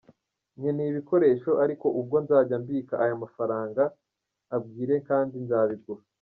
Nkeneye ibikoresho ariko ubwo nzajya mbika aya mafaranga agwire kandi nzabigura….